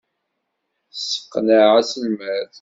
Tesseqneɛ aselmad.